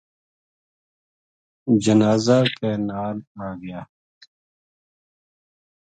جنازا کے نال آ گیا